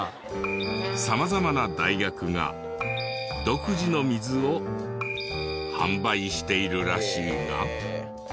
様々な大学が独自の水を販売しているらしいが。